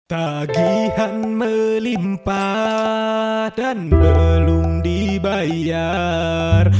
tagihan melimpah dan belum dibayar